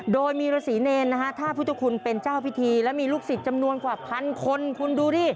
โดยมีฤษีเนรนะฮะถ้าพุทธคุณเป็นเจ้าพิธีและมีลูกศิษย์จำนวนกว่าพันคนคุณดูดิ